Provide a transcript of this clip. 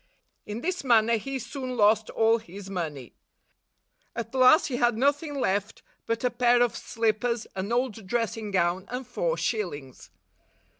In this manner he soon lost all his money. At last he had nothing left but a pair of slip pers, an old dressing gown, and four shillings.